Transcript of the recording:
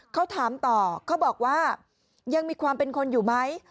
เขาถามต่อเขาบอกว่ายังมีความเป็นคนอยู่ไหม